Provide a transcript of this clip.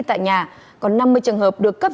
tại nhà còn năm mươi trường hợp được cấp